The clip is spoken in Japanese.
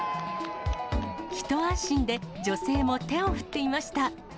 一安心で、女性も手を振っていました。